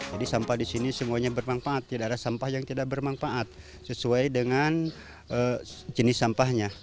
jadi sampah di sini semuanya bermanfaat tidak ada sampah yang tidak bermanfaat sesuai dengan jenis sampahnya